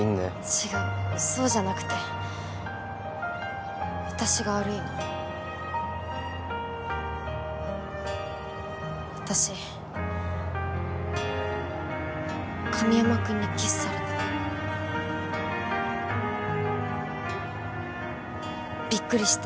違うそうじゃなくて私が悪いの私神山くんにキスされたビックリして